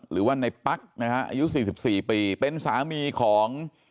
หรือว่าในปั๊กนะฮะอายุ๔๔ปีเป็นสามีของ